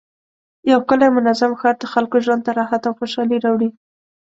یو ښکلی او منظم ښار د خلکو ژوند ته راحت او خوشحالي راوړي